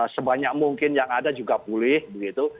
sebanyak mungkin yang ada juga pulih begitu